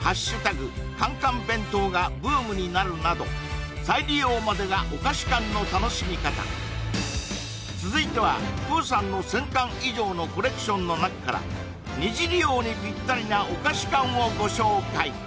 カンカン弁当がブームになるなど再利用までがお菓子缶の楽しみ方続いてはぷうさんの１０００缶以上のコレクションの中から２次利用にピッタリなお菓子缶をご紹介